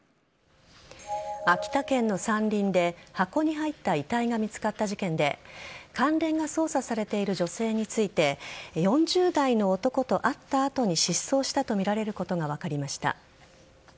秋田県の山林で箱に入った遺体が見つかった事件で関連が捜査されている女性について４０代の男と会った後に失踪したとみられることが分かりました。